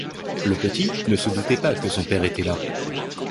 Le petit ne se doutait pas que son père était là.